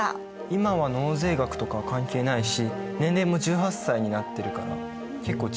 今は納税額とか関係ないし年齢も１８歳になってるから結構違うね。